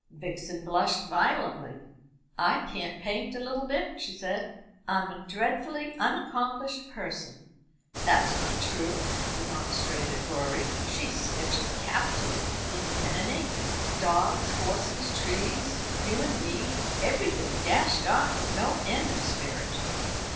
Vixen blushed violently. "I can't paint a little bit," she said. "I am a dreadfully unaccomplished person." "That's not true," remonstrated Rorie. "She sketches capitally in pen and ink dogs, horses, trees, you and me, everything, dashed off with no end of spirit."